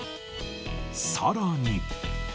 さらに。